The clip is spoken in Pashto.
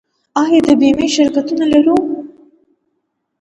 آیا د بیمې شرکتونه لرو؟